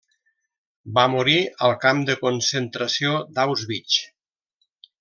Va morir al camp de concentració d'Auschwitz.